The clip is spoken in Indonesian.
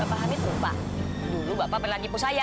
bapak hamid lupa dulu bapak perlahan ibu saya